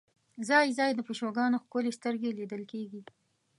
ځای ځای د پیشوګانو ښکلې سترګې لیدل کېږي.